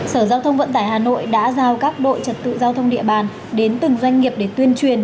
sở giao thông vận tải hà nội đã giao các đội trật tự giao thông địa bàn đến từng doanh nghiệp để tuyên truyền